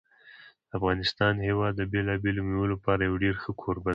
د افغانستان هېواد د بېلابېلو مېوو لپاره یو ډېر ښه کوربه دی.